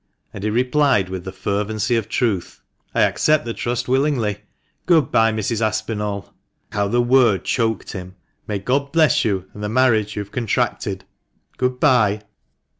And he replied with the fervency of truth, " I accept the trust willingly. Good bye, Mrs. Aspinall" (how the word choked him !)" May God bless you, and the marriage you have contracted. Good bye!"